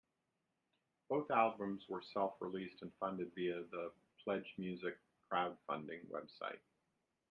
Both albums were self-released and funded via the Pledgemusic crowdfunding website.